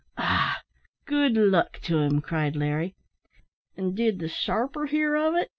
"Ah! good luck to him," cried Larry. "And did the sharper hear of it?"